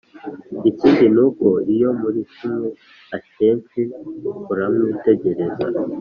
ikindi nuko iyo murikumwe akenshi uramwitegereza